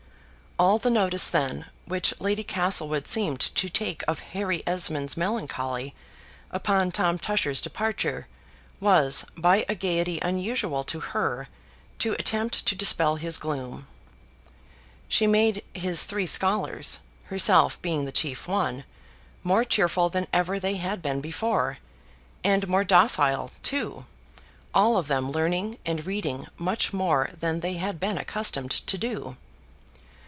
All the notice, then, which Lady Castlewood seemed to take of Harry Esmond's melancholy, upon Tom Tusher's departure, was, by a gayety unusual to her, to attempt to dispel his gloom. She made his three scholars (herself being the chief one) more cheerful than ever they had been before, and more docile, too, all of them learning and reading much more than they had been accustomed to do.